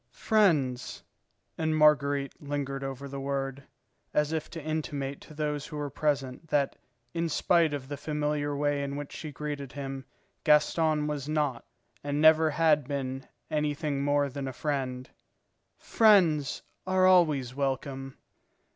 "Friends," and Marguerite lingered over the word, as if to intimate to those who were present that in spite of the familiar way in which she greeted him, Gaston was not and never had been anything more than a friend, "friends are always welcome."